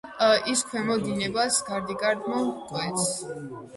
ის ქვემო დინებას გარდიგარდმო ჰკვეთს.